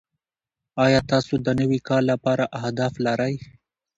ایا تاسو د نوي کال لپاره اهداف لرئ؟